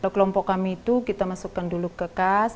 kelompok kami itu kita masukkan dulu ke kas